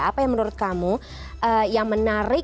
apa yang menurut kamu yang menarik